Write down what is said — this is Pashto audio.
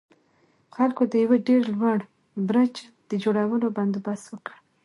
خلکو د يوه ډېر لوړ برج د جوړولو بندوبست وکړ.